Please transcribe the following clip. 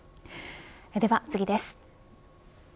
では次です。